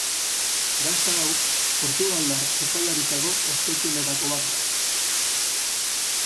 Gazta hau, portugaldar sukaldaritzako ospetsuenetako bat da.